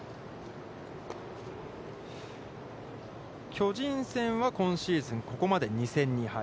巨人戦は今シーズン、ここまで２戦２敗。